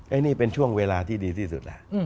อันนี้เป็นช่วงเวลาที่ดีที่สุด